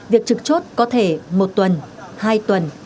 việc trực chốt có thể một tuần hai tuần